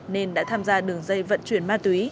nên đã tham gia đường dây vận chuyển ma túy